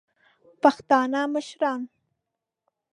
پښتانه مشران